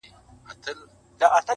له پلرونو له نیکونو تعویذګر یم -